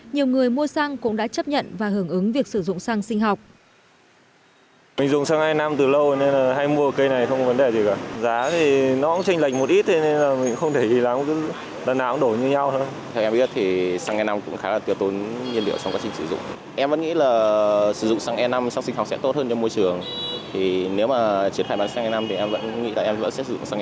nhiều người mua xăng cũng đã chấp nhận và hưởng ứng việc sử dụng xăng sinh học